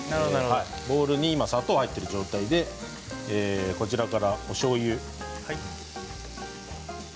ボウルに今砂糖が入っている状態でこちらから、おしょうゆ